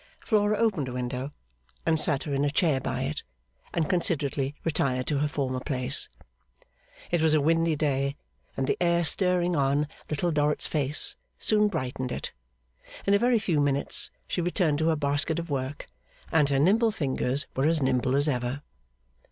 Flora opened a window, sat her in a chair by it, and considerately retired to her former place. It was a windy day, and the air stirring on Little Dorrit's face soon brightened it. In a very few minutes she returned to her basket of work, and her nimble fingers were as nimble as ever.